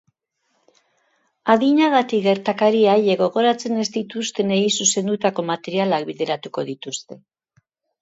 Adinagatik gertakari haiek gogoratzen ez dituztenei zuzendutako materialak bideratuko dituzte.